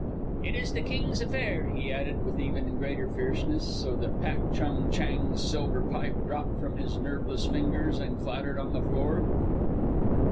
"It is the King's affair," he added with even greater fierceness; so that Pak Chung Chang's silver pipe dropped from his nerveless fingers and clattered on the floor.